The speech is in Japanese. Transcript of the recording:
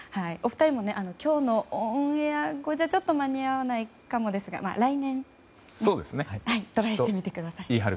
お二人も、今日のオンエア後じゃちょっと間に合わないかもですが来年トライしてみてください。